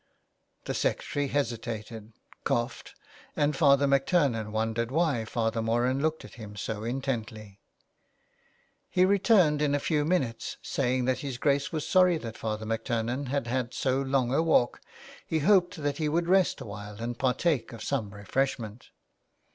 The secretary hesitated, coughed, and Father MacTurnan wondered why Father Moran looked at him so intently. He returned in a few minutes, saying that his Grace was sorry that Father MacTurnan had had so long a walk. He hoped that he would rest awhile and partake of some refreshment.